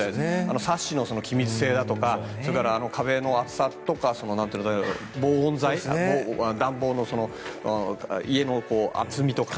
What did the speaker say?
サッシの気密性だとかそれから壁の厚さとか暖房の家の厚みとか。